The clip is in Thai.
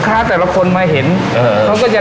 โหโหโหโหโหโห